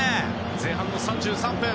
前半３３分。